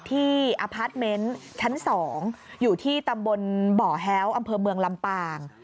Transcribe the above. ที่อพาร์ทเมนต์ชั้น๒อยู่ที่ตำบลบ่อแฮ้วอำเภอเมืองลำปาง